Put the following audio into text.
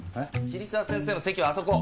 桐沢先生の席はあそこ。